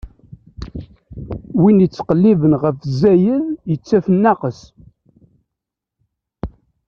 Win ittqelliben ɣef zzayed, ittaf nnaqes.